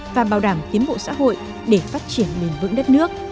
và bảo đảm tiến bộ xã hội để phát triển bền vững đất nước